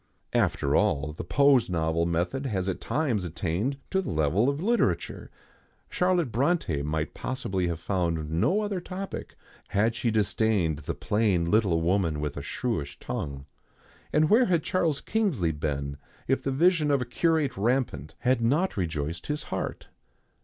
After all, the pose novel method has at times attained to the level of literature. Charlotte Brontë might possibly have found no other topic had she disdained the plain little woman with a shrewish tongue; and where had Charles Kingsley been if the vision of a curate rampant had not rejoiced his heart?